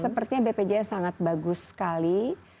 sepertinya bpjs sangat bagus sekali